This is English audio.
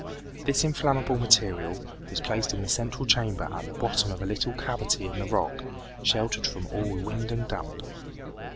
This inflammable material was placed in the central chamber at the bottom of a little cavity in the rock, sheltered from all wind and damp.